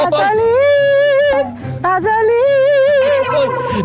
ปลาสลิดปลาสลิด